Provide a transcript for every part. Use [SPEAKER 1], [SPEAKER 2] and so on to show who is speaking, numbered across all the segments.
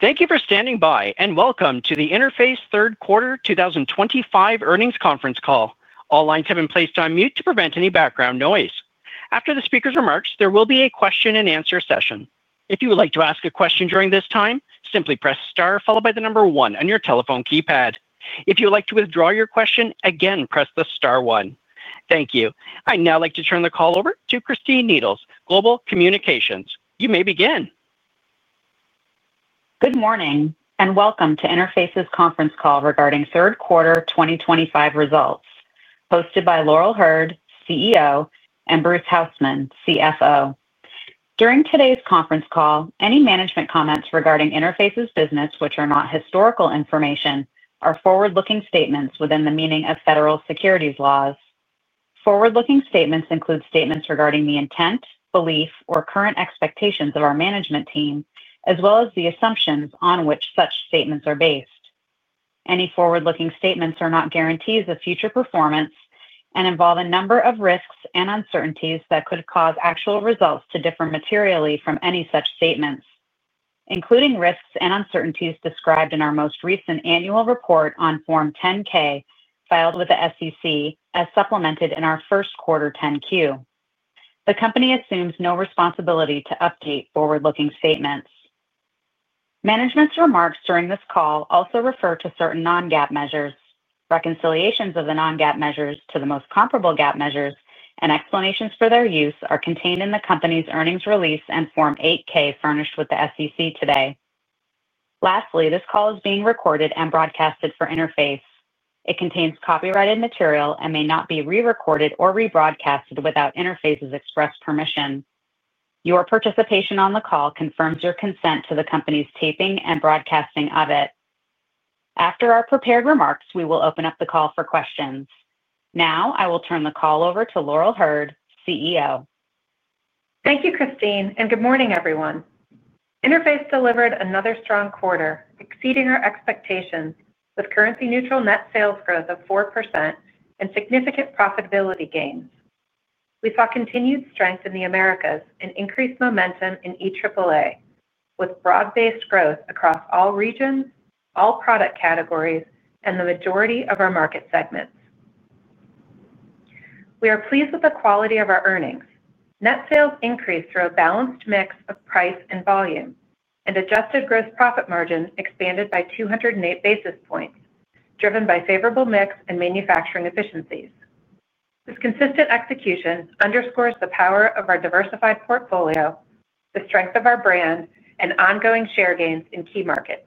[SPEAKER 1] Thank you for standing by, and welcome to the Interface Third Quarter 2025 Earnings Conference Call. All lines have been placed on mute to prevent any background noise. After the speakers' remarks, there will be a question-and-answer session. If you would like to ask a question during this time, simply press Star followed by the number one on your telephone keypad. If you would like to withdraw your question, again press the Star one. Thank you. I'd now like to turn the call over to Christine Needles, Global Communications. You may begin.
[SPEAKER 2] Good morning, and welcome to Interface's conference call regarding third quarter 2025 results, hosted by Laurel Hurd, CEO, and Bruce Hausman, CFO. During today's conference call, any management comments regarding Interface Inc.'s business, which are not historical information, are forward-looking statements within the meaning of federal securities laws. Forward-looking statements include statements regarding the intent, belief, or current expectations of our management team, as well as the assumptions on which such statements are based. Any forward-looking statements are not guarantees of future performance and involve a number of risks and uncertainties that could cause actual results to differ materially from any such statements, including risks and uncertainties described in our most recent annual report on Form 10-K filed with the SEC, as supplemented in our First Quarter 10-Q. The company assumes no responsibility to update forward-looking statements. Management's remarks during this call also refer to certain non-GAAP measures. Reconciliations of the non-GAAP measures to the most comparable GAAP measures and explanations for their use are contained in the company's earnings release and Form 8-K furnished with the SEC today. Lastly, this call is being recorded and broadcast for Interface Inc. It contains copyrighted material and may not be re-recorded or rebroadcast without Interface's express permission. Your participation on the call confirms your consent to the company's taping and broadcasting of it. After our prepared remarks, we will open up the call for questions. Now, I will turn the call over to Laurel Hurd, CEO.
[SPEAKER 3] Thank you, Christine, and good morning, everyone. Interface delivered another strong quarter, exceeding our expectations, with currency-neutral net sales growth of 4% and significant profitability gains. We saw continued strength in the Americas and increased momentum in EAAA, with broad-based growth across all regions, all product categories, and the majority of our market segments. We are pleased with the quality of our earnings. Net sales increased through a balanced mix of price and volume, and adjusted gross profit margin expanded by 208 basis points, driven by favorable mix and manufacturing efficiencies. This consistent execution underscores the power of our diversified portfolio, the strength of our brand, and ongoing share gains in key markets.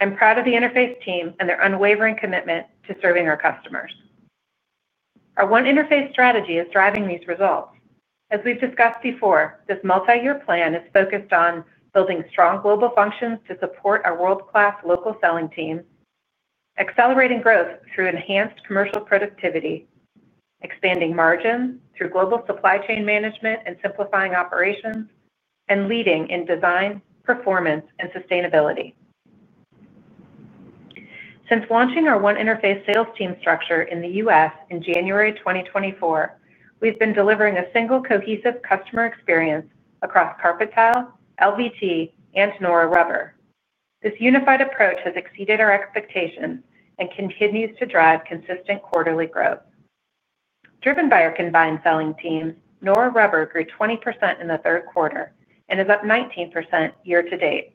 [SPEAKER 3] I'm proud of the Interface team and their unwavering commitment to serving our customers. Our One Interface strategy is driving these results. As we've discussed before, this multi-year plan is focused on building strong global functions to support our world-class local selling team, accelerating growth through enhanced commercial productivity, expanding margins through global supply chain management and simplifying operations, and leading in design, performance, and sustainability. Since launching our One Interface sales team structure in the U.S. in January 2024, we've been delivering a single cohesive customer experience across carpet tile, LVT, and nora rubber. This unified approach has exceeded our expectations and continues to drive consistent quarterly growth. Driven by our combined selling team, nora rubber grew 20% in the third quarter and is up 19% year to date.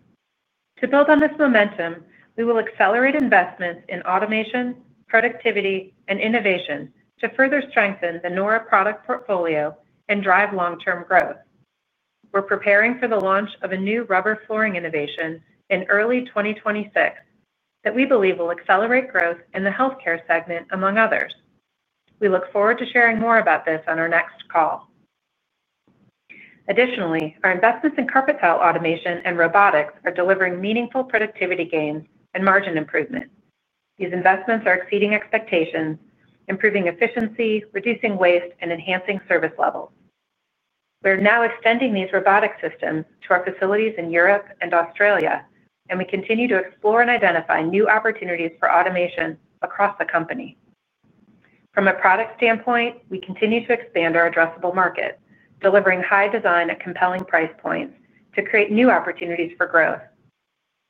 [SPEAKER 3] To build on this momentum, we will accelerate investments in automation, productivity, and innovation to further strengthen the nora product portfolio and drive long-term growth. We're preparing for the launch of a new rubber flooring innovation in early 2026 that we believe will accelerate growth in the healthcare segment, among others. We look forward to sharing more about this on our next call. Additionally, our investments in carpet tile automation and robotics are delivering meaningful productivity gains and margin improvement. These investments are exceeding expectations, improving efficiency, reducing waste, and enhancing service levels. We're now extending these robotic systems to our facilities in Europe and Australia, and we continue to explore and identify new opportunities for automation across the company. From a product standpoint, we continue to expand our addressable market, delivering high design at compelling price points to create new opportunities for growth.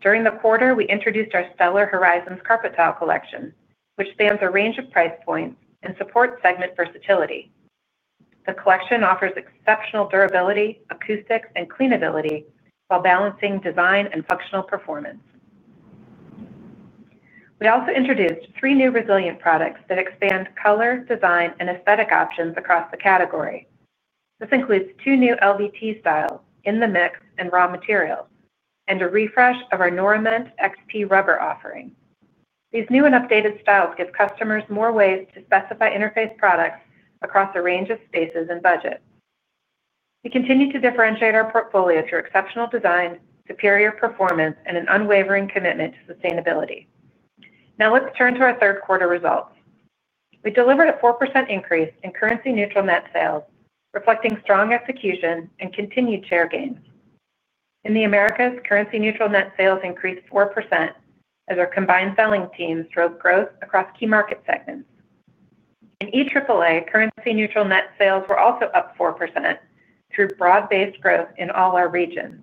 [SPEAKER 3] During the quarter, we introduced our Stellar Horizons carpet tile collection, which spans a range of price points and supports segment versatility. The collection offers exceptional durability, acoustics, and cleanability while balancing design and functional performance. We also introduced three new resilient products that expand color, design, and aesthetic options across the category. This includes two new LVT styles, In the Mix and Raw Materials, and a refresh of our norament xp rubber offering. These new and updated styles give customers more ways to specify Interface products across a range of spaces and budgets. We continue to differentiate our portfolio through exceptional design, superior performance, and an unwavering commitment to sustainability. Now, let's turn to our third quarter results. We delivered a 4% increase in currency-neutral net sales, reflecting strong execution and continued share gains. In the Americas, currency-neutral net sales increased 4% as our combined selling teams drove growth across key market segments. In EAAA, currency-neutral net sales were also up 4% through broad-based growth in all our regions.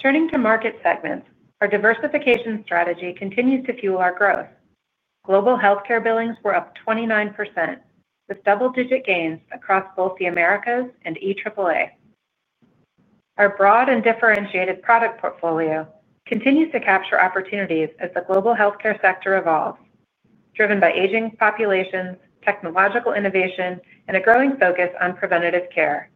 [SPEAKER 3] Turning to market segments, our diversification strategy continues to fuel our growth. Global healthcare billings were up 29%, with double-digit gains across both the Americas and EAAA. Our broad and differentiated product portfolio continues to capture opportunities as the global healthcare sector evolves, driven by aging populations, technological innovation, and a growing focus on preventative care.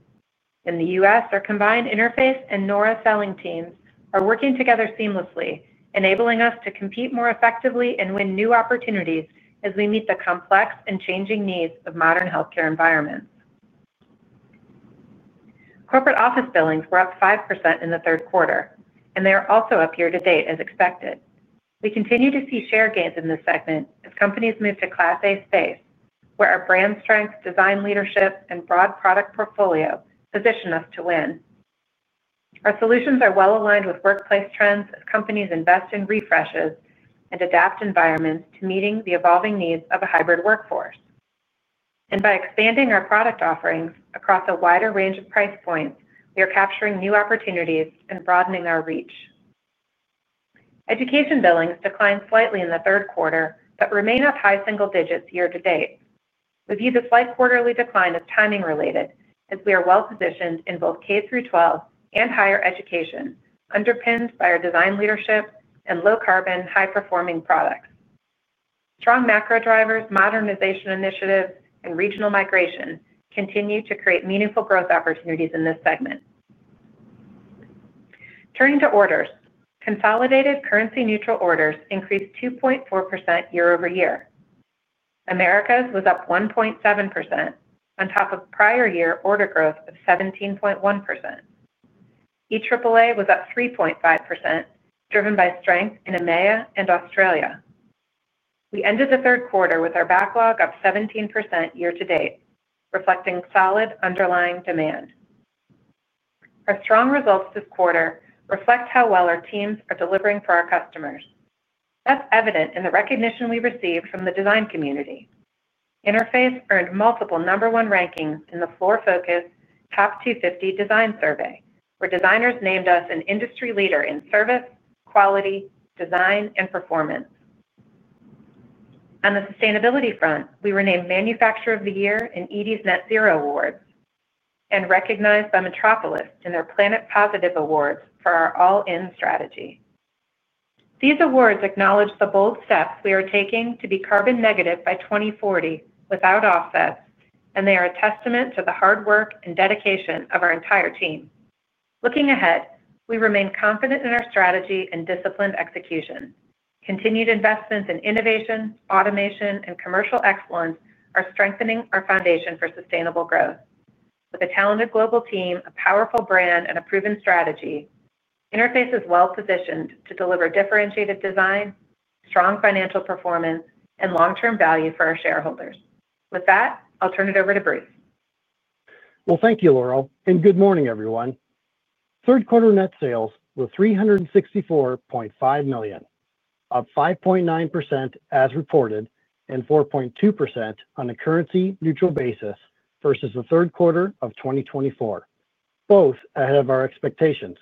[SPEAKER 3] In the U.S., our combined Interface and nora selling teams are working together seamlessly, enabling us to compete more effectively and win new opportunities as we meet the complex and changing needs of modern healthcare environments. Corporate office billings were up 5% in the third quarter, and they are also up year to date as expected. We continue to see share gains in this segment as companies move to Class A space, where our brand strength, design leadership, and broad product portfolio position us to win. Our solutions are well aligned with workplace trends as companies invest in refreshes and adapt environments to meet the evolving needs of a hybrid workforce. By expanding our product offerings across a wider range of price points, we are capturing new opportunities and broadening our reach. Education billings declined slightly in the third quarter but remain at high single digits year to date. We view this slight quarterly decline as timing-related, as we are well positioned in both K through 12 and higher education, underpinned by our design leadership and low-carbon, high-performing products. Strong macro drivers, modernization initiatives, and regional migration continue to create meaningful growth opportunities in this segment. Turning to orders, consolidated currency-neutral orders increased 2.4% year over year. Americas was up 1.7% on top of prior-year order growth of 17.1%. EAAA was up 3.5%, driven by strength in EMEA and Australia. We ended the third quarter with our backlog up 17% year to date, reflecting solid underlying demand. Our strong results this quarter reflect how well our teams are delivering for our customers. That is evident in the recognition we received from the design community. Interface earned multiple number-one rankings in the Fluor Focus Top 250 Design Survey, where designers named us an industry leader in service, quality, design, and performance. On the sustainability front, we were named Manufacturer of the Year in ED’s Net Zero Awards and recognized by Metropolis in their Planet Positive Awards for our all-in strategy. These awards acknowledge the bold steps we are taking to be carbon negative by 2040 without offsets, and they are a testament to the hard work and dedication of our entire team. Looking ahead, we remain confident in our strategy and disciplined execution. Continued investments in innovation, automation, and commercial excellence are strengthening our foundation for sustainable growth. With a talented global team, a powerful brand, and a proven strategy, Interface is well positioned to deliver differentiated design, strong financial performance, and long-term value for our shareholders. With that, I'll turn it over to Bruce.
[SPEAKER 4] Thank you, Laurel, and good morning, everyone. Third quarter net sales were $364.5 million, up 5.9% as reported and 4.2% on a currency-neutral basis versus the third quarter of 2024, both ahead of our expectations.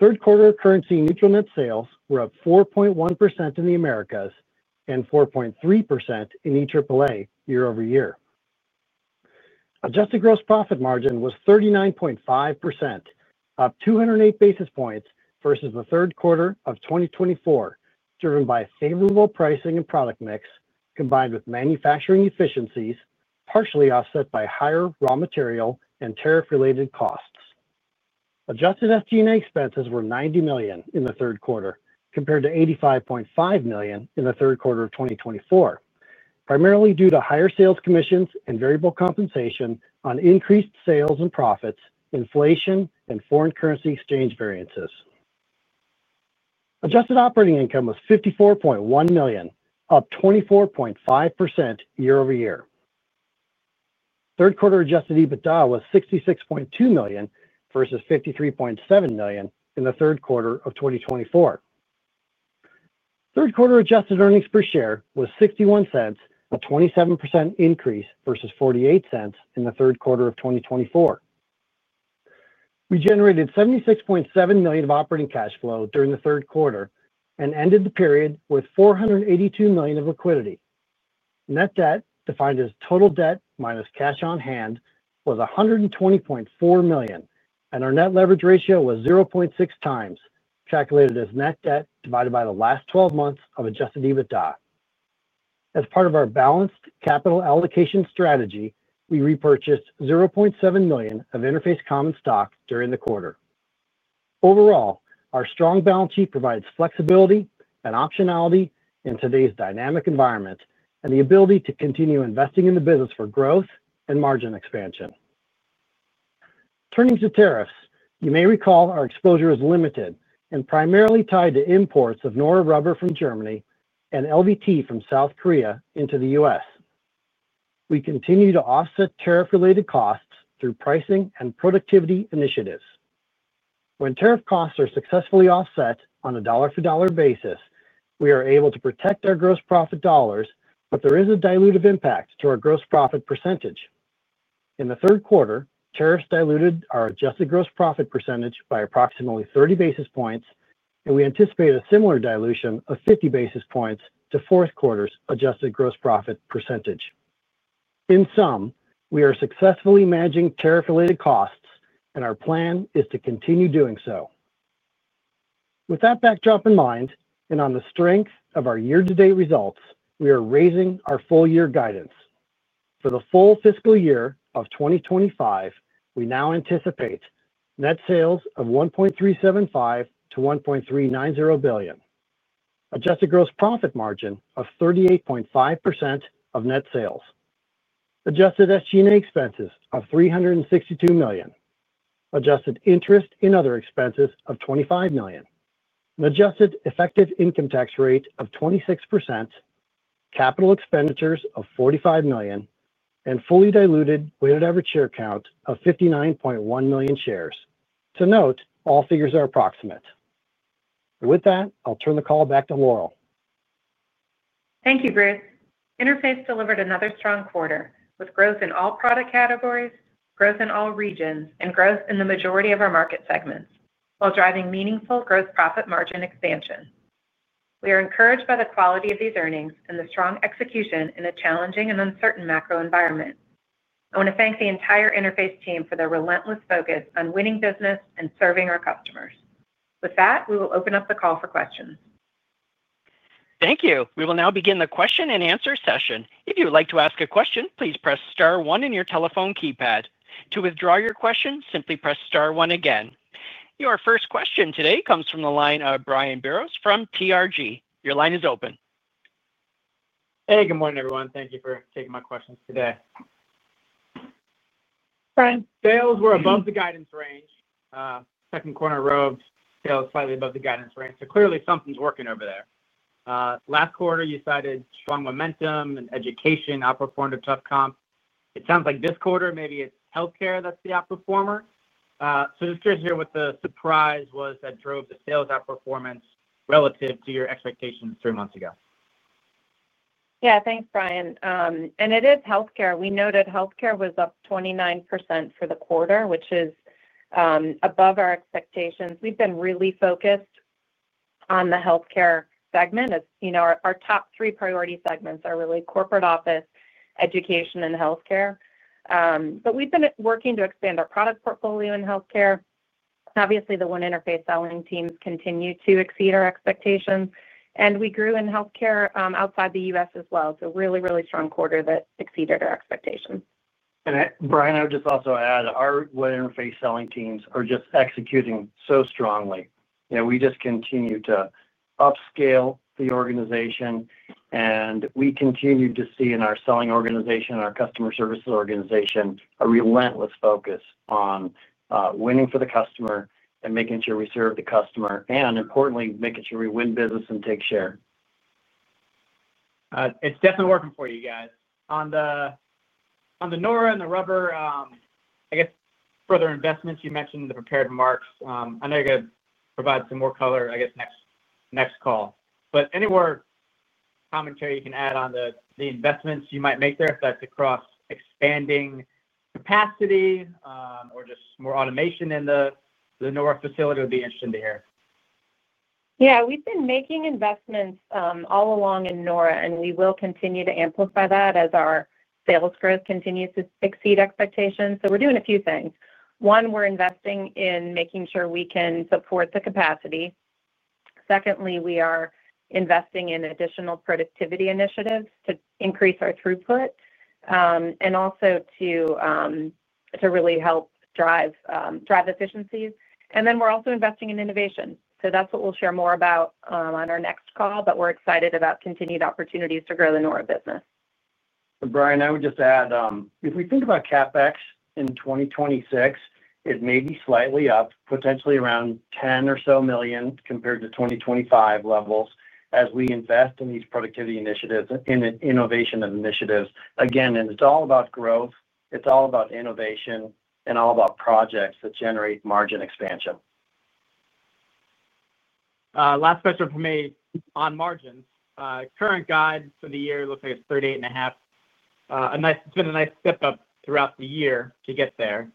[SPEAKER 4] Third quarter currency-neutral net sales were up 4.1% in the Americas and 4.3% in EAAA year over year. Adjusted gross profit margin was 39.5%, up 208 basis points versus the third quarter of 2024, driven by favorable pricing and product mix combined with manufacturing efficiencies, partially offset by higher raw material and tariff-related costs. Adjusted FD&A expenses were $90 million in the third quarter, compared to $85.5 million in the third quarter of 2024, primarily due to higher sales commissions and variable compensation on increased sales and profits, inflation, and foreign currency exchange variances. Adjusted operating income was $54.1 million, up 24.5% year over year. Third quarter adjusted EBITDA was $66.2 million versus $53.7 million in the third quarter of 2024. Third quarter adjusted earnings per share was $0.61, a 27% increase versus $0.48 in the third quarter of 2024. We generated $76.7 million of operating cash flow during the third quarter and ended the period with $482 million of liquidity. Net debt, defined as total debt minus cash on hand, was $120.4 million, and our net leverage ratio was 0.6x, calculated as net debt divided by the last 12 months of adjusted EBITDA. As part of our balanced capital allocation strategy, we repurchased $0.7 million of Interface common stock during the quarter. Overall, our strong balance sheet provides flexibility and optionality in today's dynamic environment and the ability to continue investing in the business for growth and margin expansion. Turning to tariffs, you may recall our exposure is limited and primarily tied to imports of nora rubber from Germany and LVT from South Korea into the U.S. We continue to offset tariff-related costs through pricing and productivity initiatives. When tariff costs are successfully offset on a dollar-for-dollar basis, we are able to protect our gross profit dollars, but there is a dilutive impact to our gross profit percentage. In the third quarter, tariffs diluted our adjusted gross profit percentage by approximately 30 basis points, and we anticipate a similar dilution of 50 basis points to fourth quarter's adjusted gross profit percentage. In sum, we are successfully managing tariff-related costs, and our plan is to continue doing so. With that backdrop in mind and on the strength of our year-to-date results, we are raising our full-year guidance. For the full fiscal year of 2025, we now anticipate net sales of $1.375 billion to $1.390 billion, adjusted gross profit margin of 38.5% of net sales, adjusted FD&A expenses of $362 million, adjusted interest and other expenses of $25 million, an adjusted effective income tax rate of 26%, capital expenditures of $45 million, and fully diluted weighted average share count of 59.1 million shares. To note, all figures are approximate. With that, I'll turn the call back to Laurel.
[SPEAKER 2] Thank you, Bruce. Interface delivered another strong quarter with growth in all product categories, growth in all regions, and growth in the majority of our market segments while driving meaningful gross profit margin expansion. We are encouraged by the quality of these earnings and the strong execution in a challenging and uncertain macro environment. I want to thank the entire Interface team for their relentless focus on winning business and serving our customers. With that, we will open up the call for questions.
[SPEAKER 1] Thank you. We will now begin the question-and-answer session. If you would like to ask a question, please press Star 1 on your telephone keypad. To withdraw your question, simply press Star 1 again. Your first question today comes from the line of Brian Biros from TRG. Your line is open.
[SPEAKER 5] Hey, good morning, everyone. Thank you for taking my questions today. Frank, sales were above the guidance range. Second quarter sales rose slightly above the guidance range, so clearly something's working over there. Last quarter, you cited strong momentum in education, outperformed a tough comp. It sounds like this quarter, maybe it's healthcare that's the outperformer. Just curious to hear what the surprise was that drove the sales outperformance relative to your expectations three months ago.
[SPEAKER 3] Yeah, thanks, Brian. It is healthcare. We noted healthcare was up 29% for the quarter, which is above our expectations. We've been really focused on the healthcare segment. Our top three priority segments are really corporate office, education, and healthcare. We've been working to expand our product portfolio in healthcare. Obviously, the One Interface selling teams continue to exceed our expectations, and we grew in healthcare outside the U.S. as well. Really, really strong quarter that exceeded our expectations.
[SPEAKER 4] Brian, I would just also add our One Interface selling teams are just executing so strongly. We just continue to upscale the organization, and we continue to see in our selling organization, our customer services organization, a relentless focus on winning for the customer and making sure we serve the customer, and importantly, making sure we win business and take share.
[SPEAKER 5] It's definitely working for you guys. On the nora and rubber, I guess for their investments, you mentioned the prepared marks. I know you're going to provide some more color, I guess, next call. Any more commentary you can add on the investments you might make there, if that's across expanding capacity or just more automation in the nora facility, would be interesting to hear.
[SPEAKER 3] Yeah, we've been making investments all along in nora, and we will continue to amplify that as our sales growth continues to exceed expectations. We're doing a few things. One, we're investing in making sure we can support the capacity. Secondly, we are investing in additional productivity initiatives to increase our throughput and also to really help drive efficiencies. We're also investing in innovation. That's what we'll share more about on our next call, but we're excited about continued opportunities to grow the nora business.
[SPEAKER 4] Brian, I would just add, if we think about CapEx in 2026, it may be slightly up, potentially around $10 million or so compared to 2025 levels as we invest in these productivity initiatives and innovation initiatives. Again, it's all about growth, it's all about innovation, and all about projects that generate margin expansion.
[SPEAKER 5] Last question for me on margins. Current guide for the year looks like it's 38.5%. It's been a nice step up throughout the year to get there.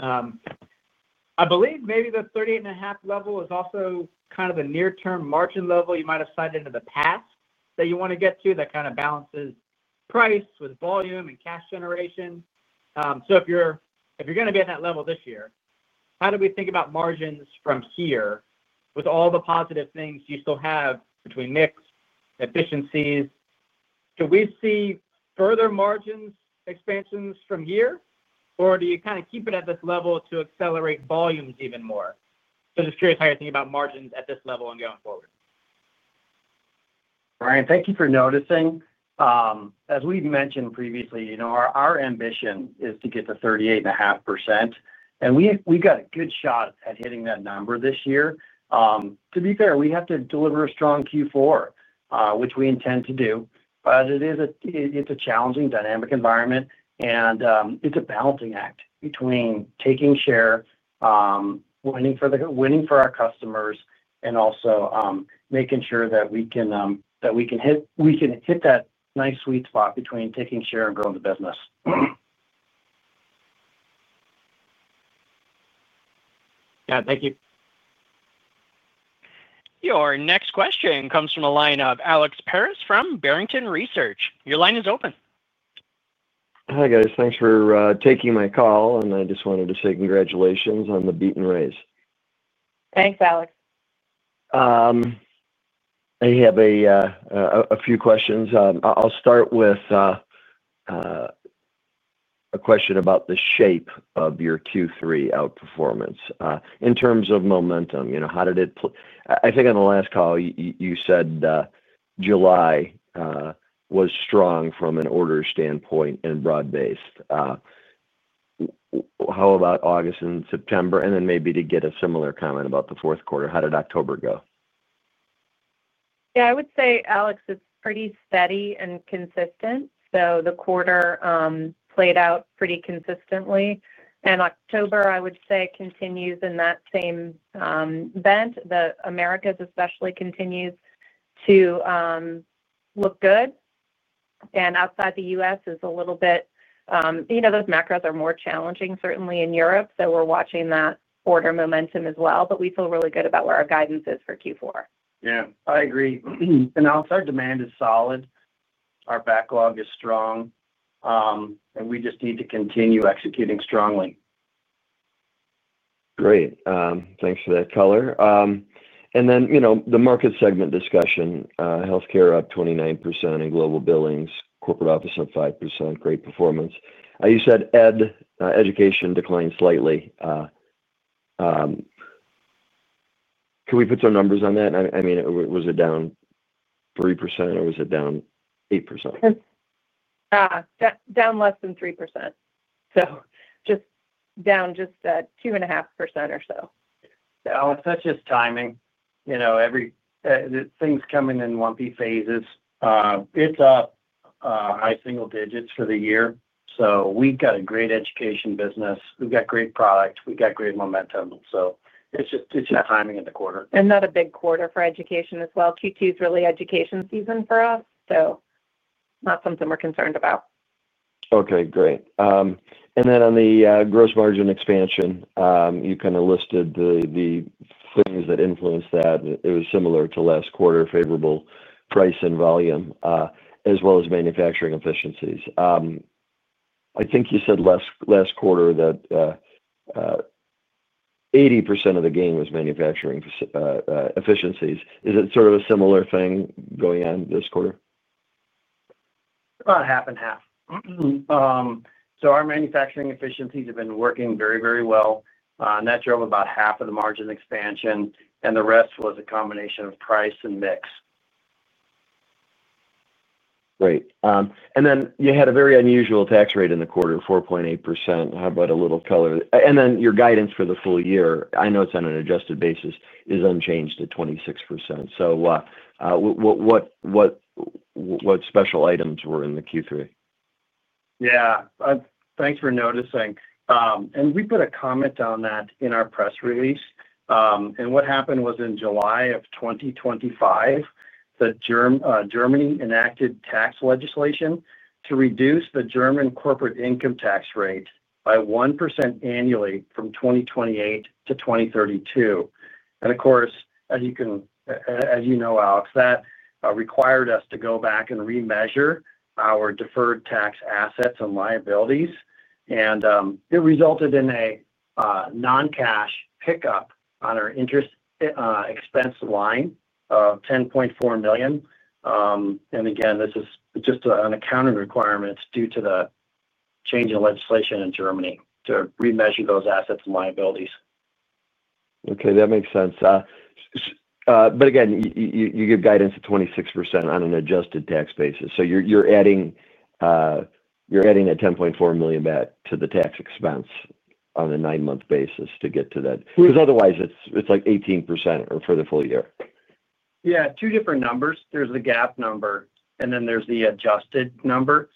[SPEAKER 5] I believe maybe the 38.5% level is also kind of a near-term margin level you might have cited in the past that you want to get to that kind of balances price with volume and cash generation. If you're going to be at that level this year, how do we think about margins from here with all the positive things you still have between mix, efficiencies? Do we see further margin expansions from here, or do you kind of keep it at this level to accelerate volumes even more? Just curious how you're thinking about margins at this level and going forward.
[SPEAKER 4] Brian, thank you for noticing. As we've mentioned previously, our ambition is to get to 38.5%, and we've got a good shot at hitting that number this year. To be fair, we have to deliver a strong Q4, which we intend to do. It's a challenging dynamic environment, and it's a balancing act between taking share, winning for our customers, and also making sure that we can hit that nice sweet spot between taking share and growing the business.
[SPEAKER 5] Thank you.
[SPEAKER 1] Your next question comes from a line of Alex Paris from Barrington Research. Your line is open.
[SPEAKER 6] Hi guys, thanks for taking my call, and I just wanted to say congratulations on the beat and raise.
[SPEAKER 3] Thanks, Alex.
[SPEAKER 6] I have a few questions. I'll start with a question about the shape of your Q3 outperformance in terms of momentum. How did it? I think on the last call, you said July was strong from an order standpoint and broad-based. How about August and September? Maybe to get a similar comment about the fourth quarter, how did October go?
[SPEAKER 3] Yeah, I would say, Alex, it's pretty steady and consistent. The quarter played out pretty consistently, and October, I would say, continues in that same bent. The Americas especially continues to look good, and outside the U.S. is a little bit, those macros are more challenging, certainly in Europe. We're watching that order momentum as well, but we feel really good about where our guidance is for Q4.
[SPEAKER 4] I agree. Outside demand is solid, our backlog is strong, and we just need to continue executing strongly.
[SPEAKER 6] Great. Thanks for that color. The market segment discussion, healthcare up 29% in global billings, corporate office up 5%, great performance. You said education declined slightly. Can we put some numbers on that? I mean, was it down 3% or was it down 8%?
[SPEAKER 3] Down less than 3%, just down just 2.5% or so.
[SPEAKER 4] Alex, that's just timing. Things come in in lumpy phases. It's up high single digits for the year. We've got a great education business, great product, and great momentum. It's just timing in the quarter.
[SPEAKER 3] Another big quarter for education as well. Q2 is really education season for us, so it's not something we're concerned about.
[SPEAKER 6] Okay, great. On the gross margin expansion, you kind of listed the things that influenced that. It was similar to last quarter, favorable price and volume, as well as manufacturing efficiencies. I think you said last quarter that 80% of the gain was manufacturing efficiencies. Is it sort of a similar thing going on this quarter?
[SPEAKER 4] About half and half. Our manufacturing efficiencies have been working very, very well. That drove about half of the margin expansion, and the rest was a combination of price and mix.
[SPEAKER 6] Great. You had a very unusual tax rate in the quarter, 4.8%. How about a little color? Your guidance for the full-year, I know it's on an adjusted basis, is unchanged at 26%. What special items were in the Q3?
[SPEAKER 4] Yeah. Thanks for noticing. We put a comment on that in our press release. What happened was in July of 2025, Germany enacted tax legislation to reduce the German corporate income tax rate by 1% annually from 2028 to 2032. Of course, as you know, Alex, that required us to go back and remeasure our deferred tax assets and liabilities. It resulted in a non-cash pickup on our interest expense line of $10.4 million. This is just an accounting requirement due to the change in legislation in Germany to remeasure those assets and liabilities.
[SPEAKER 6] Okay, that makes sense. You give guidance at 26% on an adjusted tax basis. You're adding a $10.4 million bet to the tax expense on a nine-month basis to get to that, because otherwise, it's like 18% for the full year.
[SPEAKER 4] Yeah, two different numbers. There's the GAAP number, and then there's the adjusted number.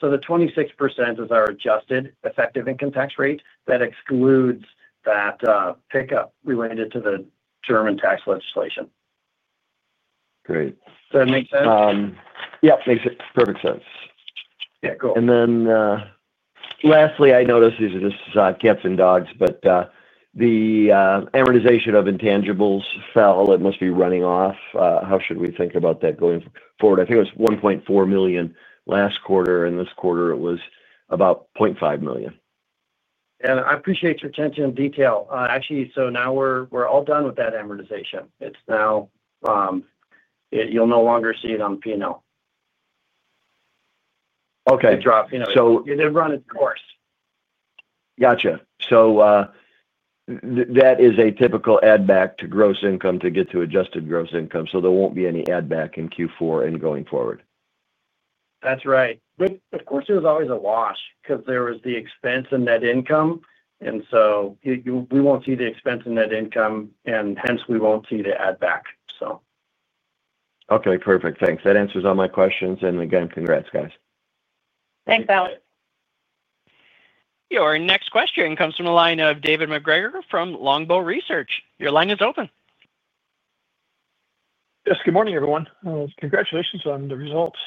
[SPEAKER 4] The 26% is our adjusted effective income tax rate that excludes that pickup related to the German tax legislation.
[SPEAKER 6] Great.
[SPEAKER 4] Does that make sense?
[SPEAKER 6] Yeah, makes perfect sense.
[SPEAKER 4] Yeah, cool.
[SPEAKER 6] Lastly, I noticed these are just cats and dogs, but the amortization of intangibles fell. It must be running off. How should we think about that going forward? I think it was $1.4 million last quarter, and this quarter it was about $0.5 million.
[SPEAKER 4] I appreciate your attention to detail. Actually, now we're all done with that amortization. It's now. You'll no longer see it on the P&L.
[SPEAKER 6] Okay.
[SPEAKER 4] It dropped. It didn't run its course.
[SPEAKER 6] Got it. That is a typical add-back to gross income to get to adjusted gross income. There won't be any add-back in Q4 and going forward.
[SPEAKER 4] That's right. Of course, there's always a wash because there was the expense and net income. We won't see the expense and net income, and hence we won't see the add-back.
[SPEAKER 6] Okay, perfect. Thanks. That answers all my questions. Again, congrats, guys.
[SPEAKER 3] Thanks, Alex.
[SPEAKER 1] Your next question comes from the line of David MacGregor from Longbow Research. Your line is open.
[SPEAKER 7] Yes, good morning, everyone. Congratulations on the results.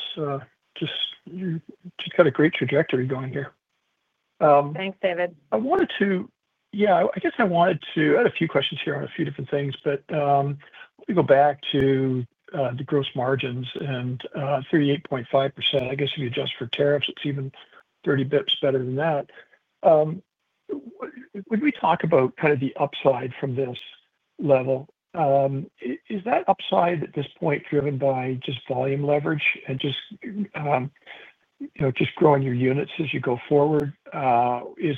[SPEAKER 7] Got a great trajectory going here.
[SPEAKER 3] Thanks, David.
[SPEAKER 7] I wanted to, I guess I wanted to, I had a few questions here on a few different things. Let me go back to the gross margins and 38.5%. I guess if you adjust for tariffs, it's even 30 bps better than that. When we talk about kind of the upside from this level, is that upside at this point driven by just volume leverage and just growing your units as you go forward? Is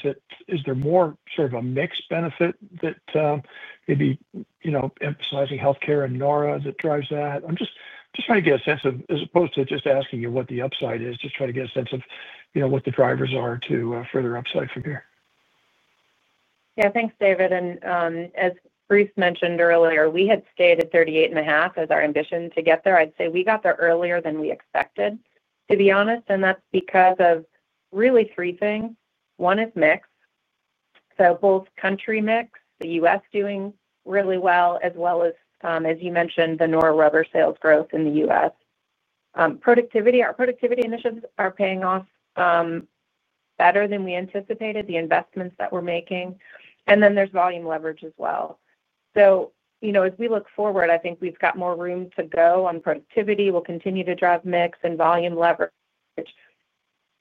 [SPEAKER 7] there more sort of a mixed benefit that maybe emphasizing healthcare and nora that drives that? I'm just trying to get a sense of, as opposed to just asking you what the upside is, just trying to get a sense of what the drivers are to further upside from here.
[SPEAKER 3] Yeah, thanks, David. As Bruce mentioned earlier, we had stated 38.5% as our ambition to get there. I'd say we got there earlier than we expected, to be honest. That's because of really three things. One is mix, so both country mix, the U.S. doing really well, as well as, as you mentioned, the nora rubber sales growth in the U.S. Our productivity initiatives are paying off better than we anticipated, the investments that we're making. Then there's volume leverage as well. As we look forward, I think we've got more room to go on productivity. We'll continue to drive mix and volume leverage.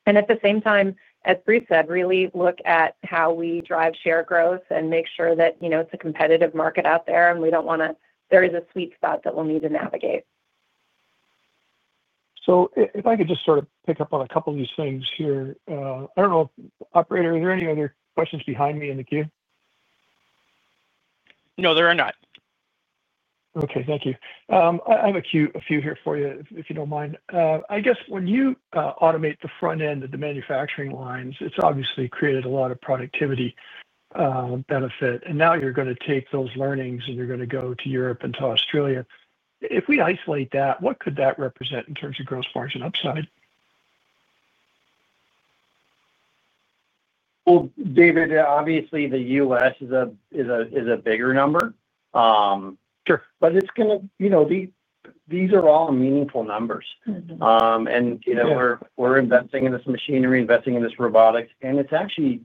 [SPEAKER 3] At the same time, as Bruce said, really look at how we drive share growth and make sure that it's a competitive market out there, and we don't want to, there is a sweet spot that we'll need to navigate.
[SPEAKER 7] If I could just sort of pick up on a couple of these things here. I don't know if, operator, are there any other questions behind me in the queue?
[SPEAKER 1] No, there are not.
[SPEAKER 7] Okay, thank you. I have a few here for you, if you don't mind. I guess when you automate the front end of the manufacturing lines, it's obviously created a lot of productivity benefit. Now you're going to take those learnings and you're going to go to Europe and to Australia. If we isolate that, what could that represent in terms of gross margin upside?
[SPEAKER 4] David, obviously the U.S. is a bigger number. It's going to. These are all meaningful numbers. We're investing in this machinery, investing in this robotics. It's actually.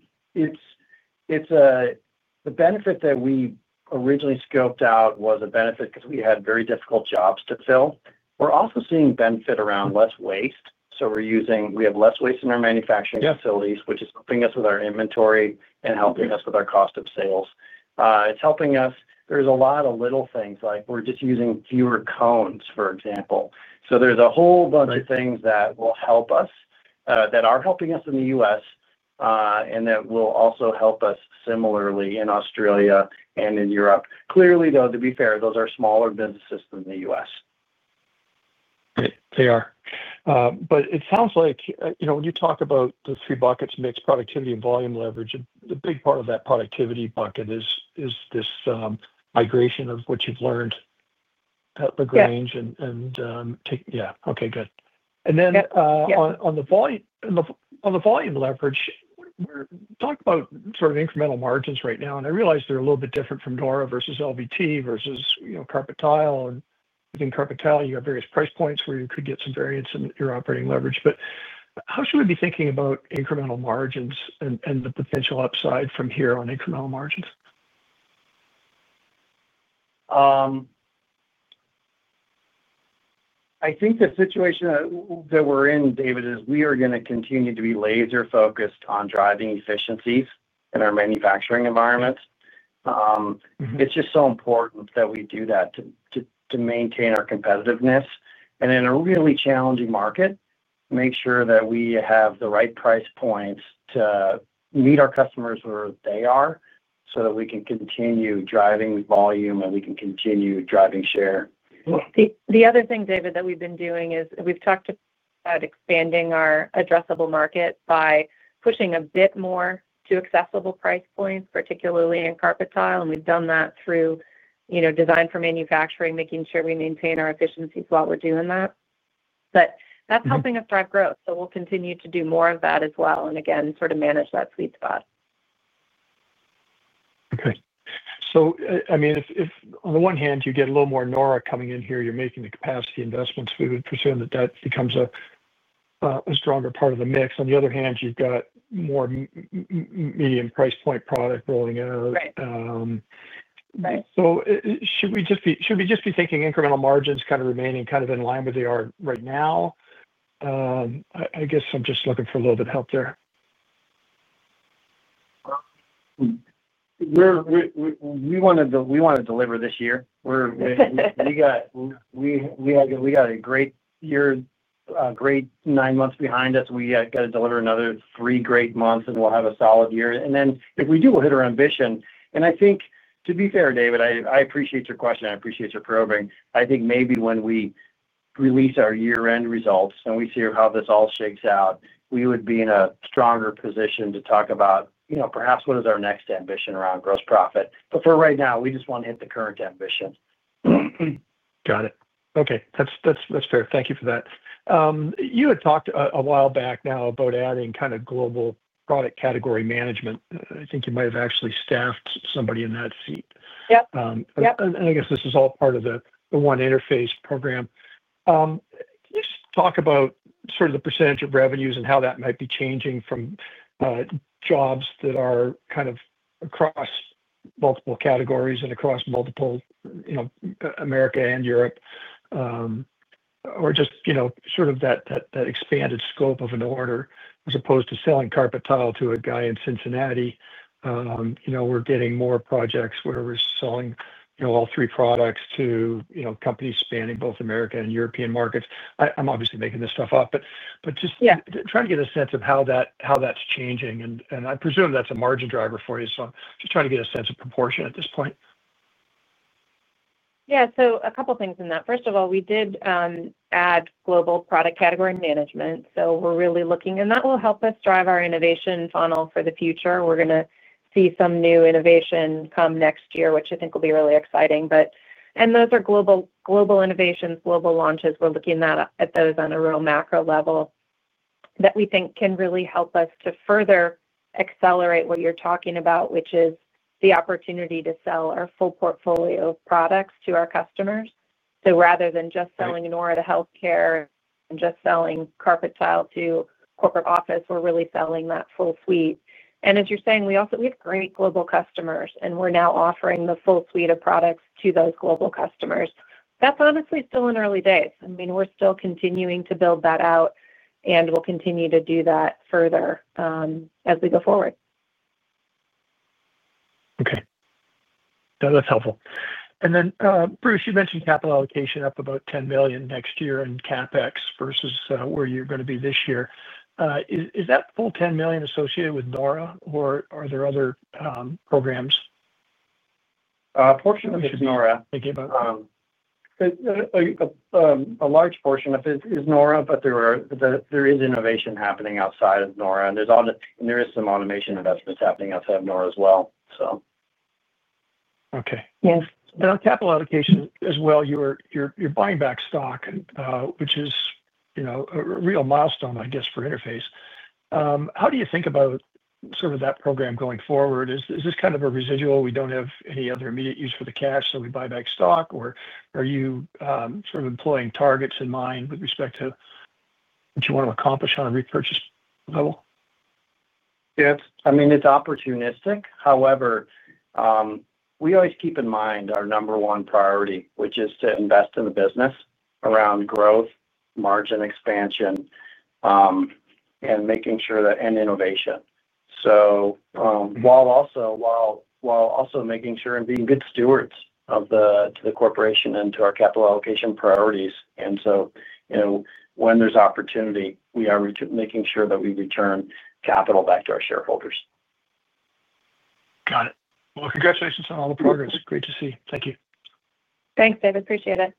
[SPEAKER 4] The benefit that we originally scoped out was a benefit because we had very difficult jobs to fill. We're also seeing benefit around less waste. We have less waste in our manufacturing facilities, which is helping us with our inventory and helping us with our cost of sales. It's helping us. There are a lot of little things, like we're just using fewer cones, for example. There's a whole bunch of things that will help us, that are helping us in the U.S., and that will also help us similarly in Australia and in Europe. Clearly, though, to be fair, those are smaller businesses than the U.S.
[SPEAKER 7] Great. They are. It sounds like when you talk about the three buckets, mix, productivity, and volume leverage, a big part of that productivity bucket is this migration of what you've learned at LaGrange. Okay, good. On the volume leverage, we're talking about sort of incremental margins right now. I realize they're a little bit different from nora rubber versus LVT versus carpet tile. Within carpet tile, you have various price points where you could get some variance in your operating leverage. How should we be thinking about incremental margins and the potential upside from here on incremental margins?
[SPEAKER 4] I think the situation that we're in, David, is we are going to continue to be laser-focused on driving efficiencies in our manufacturing environments. It's just so important that we do that to maintain our competitiveness. In a really challenging market, make sure that we have the right price points to meet our customers where they are so that we can continue driving volume and we can continue driving share.
[SPEAKER 3] The other thing, David, that we've been doing is we've talked about expanding our addressable market by pushing a bit more to accessible price points, particularly in carpet tile. We've done that through design for manufacturing, making sure we maintain our efficiencies while we're doing that. That's helping us drive growth. We'll continue to do more of that as well and, again, sort of manage that sweet spot.
[SPEAKER 7] Okay. On the one hand, you get a little more nora coming in here. You're making the capacity investments. We would presume that that becomes a stronger part of the mix. On the other hand, you've got more medium price point product rolling out.
[SPEAKER 3] Right.
[SPEAKER 7] Should we just be thinking incremental margins kind of remaining in line with where they are right now? I guess I'm just looking for a little bit of help there.
[SPEAKER 4] We want to deliver this year. We got a great year, great nine months behind us. We got to deliver another three great months, and we'll have a solid year. If we do hit our ambition, and I think, to be fair, David, I appreciate your question. I appreciate your probing. I think maybe when we release our year-end results and we see how this all shakes out, we would be in a stronger position to talk about perhaps what is our next ambition around gross profit. For right now, we just want to hit the current ambition.
[SPEAKER 7] Got it. Okay. That's fair. Thank you for that. You had talked a while back now about adding kind of global product category management. I think you might have actually staffed somebody in that seat.
[SPEAKER 3] Yep.
[SPEAKER 7] I guess this is all part of the One Interface strategy. Can you just talk about the percentage of revenues and how that might be changing from jobs that are across multiple categories and across multiple America and Europe? Just that expanded scope of an order as opposed to selling carpet tile to a guy in Cincinnati. We're getting more projects where we're selling all three products to companies spanning both American and European markets. I'm obviously making this stuff up, but just trying to get a sense of how that's changing. I presume that's a margin driver for you. I'm just trying to get a sense of proportion at this point.
[SPEAKER 3] Yeah. A couple of things in that. First of all, we did add global product category management. We're really looking, and that will help us drive our innovation funnel for the future. We're going to see some new innovation come next year, which I think will be really exciting. Those are global innovations, global launches. We're looking at those on a real macro level that we think can really help us to further accelerate what you're talking about, which is the opportunity to sell our full portfolio of products to our customers. Rather than just selling nora rubber to healthcare and just selling carpet tile to corporate office, we're really selling that full suite. As you're saying, we have great global customers, and we're now offering the full suite of products to those global customers. That's honestly still in early days. We're still continuing to build that out, and we'll continue to do that further as we go forward.
[SPEAKER 7] Okay. That's helpful. Bruce, you mentioned capital allocation up about $10 million next year in CapEx versus where you're going to be this year. Is that full $10 million associated with nora, or are there other programs?
[SPEAKER 4] A portion of it is nora.
[SPEAKER 7] Thank you.
[SPEAKER 4] A large portion of it is nora rubber, but there is innovation happening outside of nora. There is some automation investments happening outside of nora as well.
[SPEAKER 7] Okay. That capital allocation as well, you're buying back stock, which is a real milestone, I guess, for Interface. How do you think about sort of that program going forward? Is this kind of a residual, we don't have any other immediate use for the cash, so we buy back stock, or are you sort of employing targets in mind with respect to what you want to accomplish on a repurchase level?
[SPEAKER 4] Yeah. I mean, it's opportunistic. However, we always keep in mind our number one priority, which is to invest in the business around growth, margin expansion, and making sure that and innovation. While also making sure and being good stewards of the corporation and to our capital allocation priorities. When there's opportunity, we are making sure that we return capital back to our shareholders.
[SPEAKER 7] Got it. Congratulations on all the progress. Great to see. Thank you.
[SPEAKER 3] Thanks, David. Appreciate it.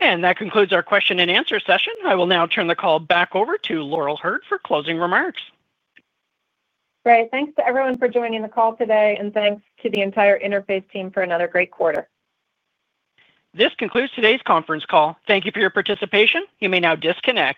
[SPEAKER 1] That concludes our question and answer session. I will now turn the call back over to Laurel Hurd for closing remarks.
[SPEAKER 3] Great. Thanks to everyone for joining the call today. Thanks to the entire Interface team for another great quarter.
[SPEAKER 1] This concludes today's conference call. Thank you for your participation. You may now disconnect.